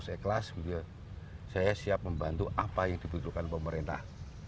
saya ikhlas saya siap membantu apa yang dibutuhkan pemerintah